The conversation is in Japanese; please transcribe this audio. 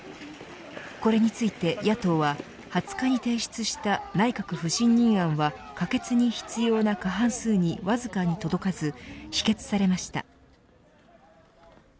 これについて野党は２０日に提出した内閣不信任案は可決に必要な過半数にわずかに届かず否決されました。